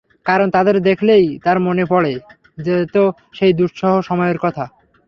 কারণ, তাদের দেখলেই তাঁর মনে পড়ে যেত সেই দুঃসহ সময়ের কথা।